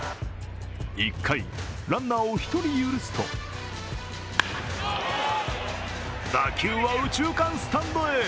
１回、ランナーを１人許すと打球は右中間スタンドへ。